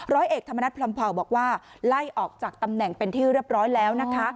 ร้อยเอกธรรมนัฐพรมเผาบอกว่าไล่ออกจากตำแหน่งเป็นที่เรียบร้อยแล้วนะคะ